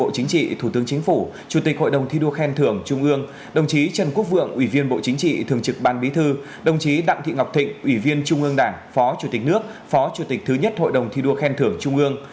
chủ tịch hội đồng thi đua khen thưởng trung ương đồng chí trần quốc vượng ủy viên bộ chính trị thường trực ban bí thư đồng chí đặng thị ngọc thịnh ủy viên trung ương đảng phó chủ tịch nước phó chủ tịch thứ nhất hội đồng thi đua khen thưởng trung ương